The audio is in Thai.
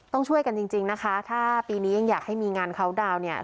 ต้องช่วยกันจริงนะคะถ้าปีนี้ยังอยากให้มีงานเขาดาวน์เนี่ย